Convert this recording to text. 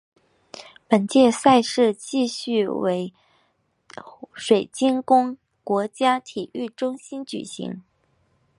本届赛事继续在水晶宫国家体育中心举行。